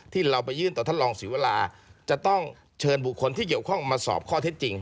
ที่เราไปยื่นต่อท่านรองศรีวราจะต้องเชิญบุคคลที่เกี่ยวข้องมาสอบข้อเท็จจริง